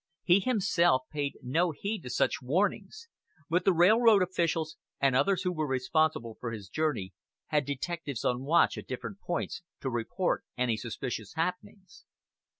He himself paid no heed to such warnings; but the railroad officials, and others who were responsible for his journey, had detectives on watch at different points to report any suspicious happenings.